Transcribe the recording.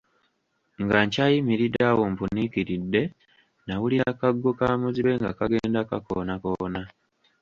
Nga nkyayimiridde awo mpuniikiridde nawulira kaggo ka muzibe nga kagenda kakoonakoona.